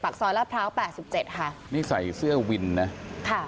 ซอยลาดพร้าวแปดสิบเจ็ดค่ะนี่ใส่เสื้อวินนะค่ะ